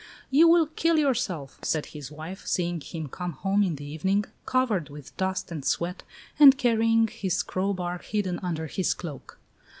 "You will kill yourself," said his wife, seeing him come home in the evening, covered with dust and sweat and carrying his crowbar hidden under his cloak.